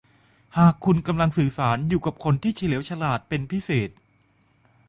หากคุณกำลังสื่อสารอยู่กับคนที่เฉลียวฉลาดเป็นพิเศษ